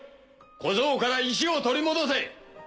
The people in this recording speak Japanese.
小僧から石を取り戻せ！